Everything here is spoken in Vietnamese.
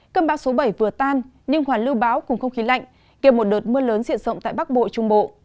cơn bão số bảy vừa tan nhưng hoàn lưu báo cùng không khí lạnh gây một đợt mưa lớn diện rộng tại bắc bộ trung bộ